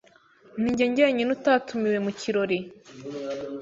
Ninjye jyenyine utatumiwe mu kirori.